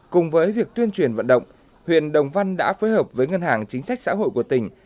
cùng với việc tuyên truyền vận động huyện đồng văn đã phối hợp với ngân hàng chính sách xã hội của tỉnh